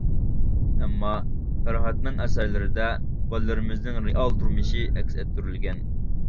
ئەمما پەرھاتنىڭ ئەسەرلىرىدە بالىلىرىمىزنىڭ رېئال تۇرمۇشى ئەكس ئەتتۈرۈلگەن.